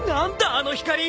あの光。